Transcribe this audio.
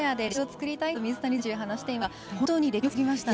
やりました！